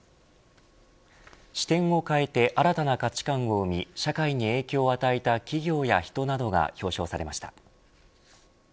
視点を変えて新たな価値観を生み社会に影響を与えた企業や人などが表彰されました。